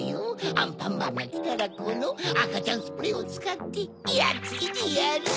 アンパンマンがきたらこのあかちゃんスプレーをつかってやっつけてやる！